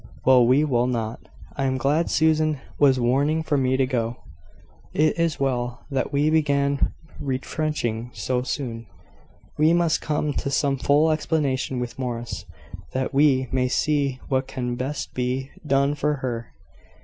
"Well, we will not. I am glad Susan has warning from me to go. It is well that we began retrenching so soon. We must come to some full explanation with Morris, that we may see what can best be done for her."